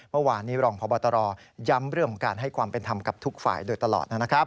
เมื่อวานนี้รองพบตรย้ำเรื่องของการให้ความเป็นธรรมกับทุกฝ่ายโดยตลอดนะครับ